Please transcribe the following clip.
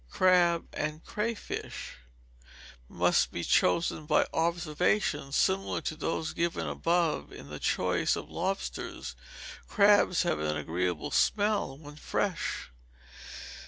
Crab and Crayfish must be chosen by observations similar to those given above in the choice of lobsters. Crabs have an agreeable smell when fresh.